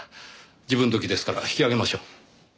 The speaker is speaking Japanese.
時分時ですから引き揚げましょう。